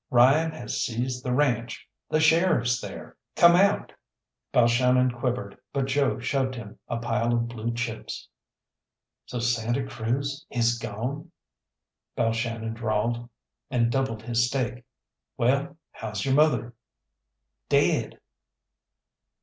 "Ryan has seized the ranche, the sheriff's there! Come out!" Balshannon quivered, but Joe shoved him a pile of blue chips. "So Santa Cruz is gone?" Balshannon drawled, and doubled his stake. "Well, how's your mother?" "Dead!"